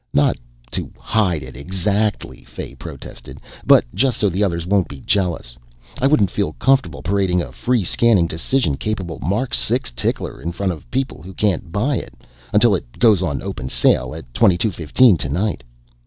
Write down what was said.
"Not to hide it, exactly," Fay protested, "but just so the others won't be jealous. I wouldn't feel comfortable parading a free scanning decision capable Mark 6 tickler in front of people who can't buy it until it goes on open sale at twenty two fifteen tonight.